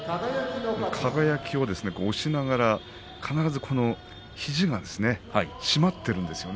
輝は押しながら必ず肘が締まっているんですね。